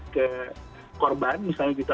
ke korban misalnya gitu